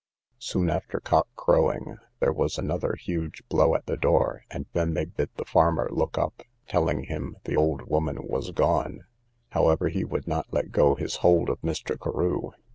Soon after cock crowing, there was another huge blow at the door, and then they bid the farmer look up, telling him the old woman was gone; however, he would not let go his hold of Mr. Carew.